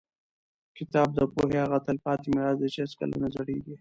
کتاب د پوهې هغه تلپاتې میراث دی چې هېڅکله نه زړېږي.